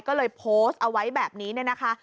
ก็เลยโพสต์เอาไว้แบบนี้เนี่ยนะคะ